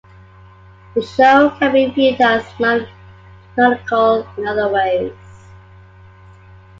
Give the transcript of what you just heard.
The show can be viewed as non-canonical in other ways.